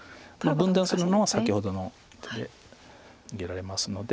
分断するのは先ほどの手で逃げられますので。